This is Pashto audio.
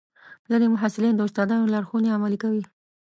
ځینې محصلین د استادانو لارښوونې عملي کوي.